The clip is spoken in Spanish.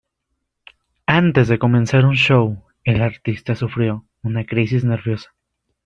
Antes de comenzar un show, el artista sufrió una crisis nerviosa.